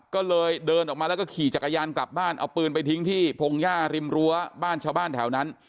ก็เลยเดินออกมาแล้วก็ขี่จักรยานกลับบ้านเอาปืนไปทิ้งที่พงหญ้าริมรั้วบ้านชาวบ้านแถวนั้น